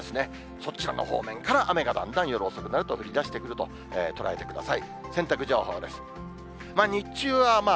そっち側の方面から雨がだんだん夜遅くなると降りだしてくると捉えてください。